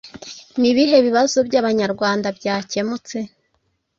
Ni ibihe bibazo by’Abanyarwanda byakemutse?